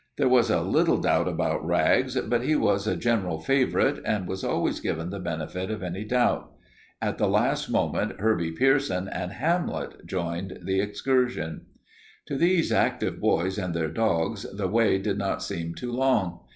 There was a little doubt about Rags, but he was a general favorite and was always given the benefit of any doubt. At the last moment Herbie Pierson and Hamlet joined the excursion. To these active boys and their dogs the way did not seem too long.